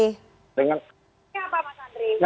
alasannya apa mas andri